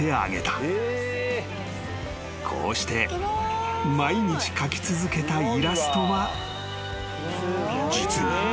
［こうして毎日描き続けたイラストは実に］